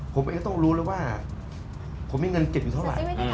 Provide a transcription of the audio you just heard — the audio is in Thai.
ผมเองก็ต้องรู้แล้วว่าผมมีเงินเก็บอยู่เท่าไหร่